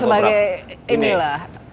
sebagai ini lah